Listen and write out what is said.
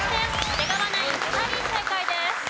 出川ナイン２人正解です。